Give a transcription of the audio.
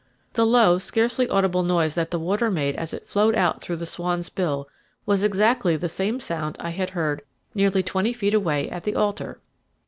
The low, scarcely audible noise that the water made as it flowed out through the swan's bill was exactly the same sound I had heard nearly twenty feet away at the altar.